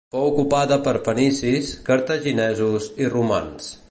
Fou ocupada per fenicis, cartaginesos i romans.